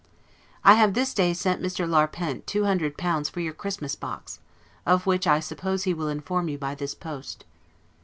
I have this day sent Mr. Larpent two hundred pounds for your Christmas box, of which I suppose he will inform you by this post.